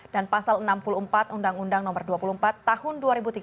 dan pasal enam puluh empat undang undang no dua puluh empat tahun dua ribu tiga belas